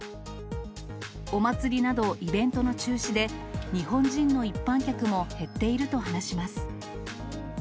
お祭りなどイベントの中止で、日本人の一般客も減っていると話します。